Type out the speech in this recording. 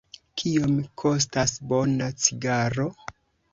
Kiom kostas bona cigaro?